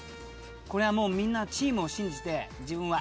これはもうチームを信じて自分はＡ。